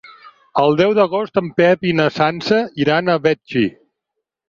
El deu d'agost en Pep i na Sança iran a Betxí.